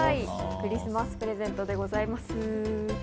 クリスマスプレゼントでございます。